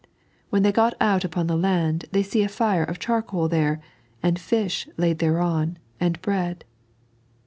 "When they got out upon the land they see a fire of charcoal there, and fish laid thereon, and bread."